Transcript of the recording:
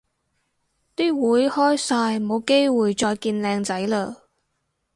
啲會開晒冇機會再見靚仔嘞